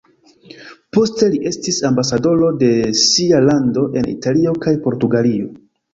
Poste li estis ambasadoro de sia lando en Italio kaj Portugalio.